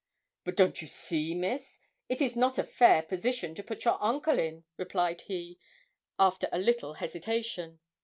'But don't you see, Miss, it is not a fair position to put your uncle in,' replied he, after a little hesitation.